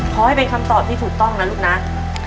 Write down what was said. ขอให้เป็นคำตอบที่ถูกต้องนะลูกนะ